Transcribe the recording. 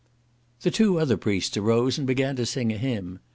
The other two priests arose, and began to sing a hymn.